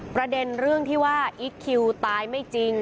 ประเด็นเรื่องที่ว่าอีคคิวตายไม่จริง